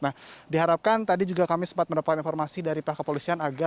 nah diharapkan tadi juga kami sempat mendapat informasi dari pak kepolisian aga